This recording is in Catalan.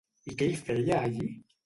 I què hi feia allí?